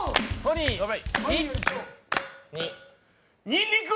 にんにく。